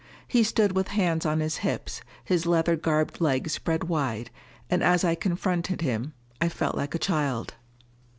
He stood with hands on his hips, his leather garbed legs spread wide; and as I confronted him, I felt like a child.